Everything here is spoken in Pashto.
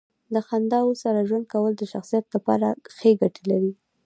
د خنداوو سره ژوند کول د شخصیت لپاره ښې ګټې لري.